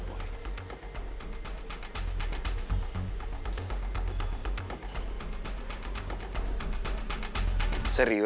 kamu harus berhati hati